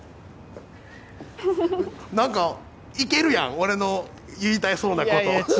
なんか、いけるやん、俺の言いたそうなこと。